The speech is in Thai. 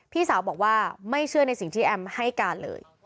พี่สาวบอกว่าไม่เชื่อในสิ่งที่แอมให้การเลย